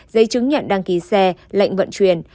giấy chứng nhận đăng ký xe lệnh vận chuyển